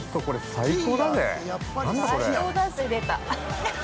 ◆最高だぜ出た。